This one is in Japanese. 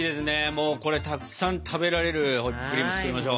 もうこれたくさん食べられるホイップクリーム作りましょう。